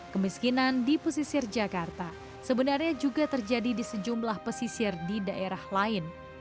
kemiskinan di pesisir jakarta sebenarnya juga terjadi di sejumlah pesisir di daerah lain